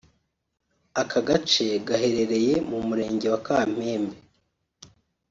Aka gace gaherereye mu murenge wa Kamembe